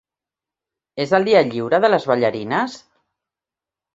És el dia lliure de les ballarines?